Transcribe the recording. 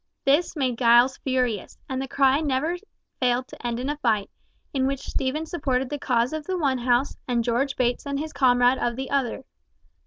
This made Giles furious, and the cry never failed to end in a fight, in which Stephen supported the cause of the one house, and George Bates and his comrades of the other.